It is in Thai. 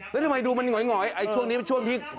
แล้วทำไมดูมันหงอยช่วงนี้เป็นช่วงที่